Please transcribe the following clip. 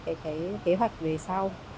kế hoạch về sau